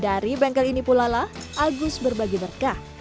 dari bengkel ini pula lah agus berbagi berkah